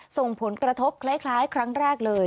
ส่งผลกระทบคล้ายครั้งแรกเลย